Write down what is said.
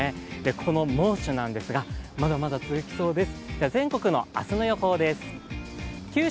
この猛暑なんですが、まだまだ続きそうです。